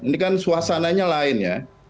ini suasananya lain ya